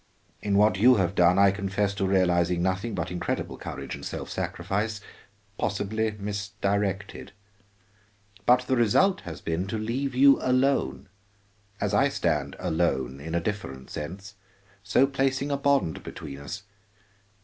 In what you have done I confess to realizing nothing but incredible courage and self sacrifice, possibly misdirected. But the result has been to leave you alone, as I stand alone in a different sense, so placing a bond between us.